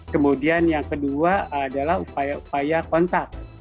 kemudian yang kedua adalah upaya upaya kontak